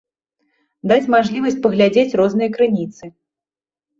Даць мажлівасць паглядзець розныя крыніцы.